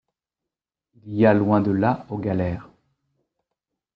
Il y a loin de là aux galères.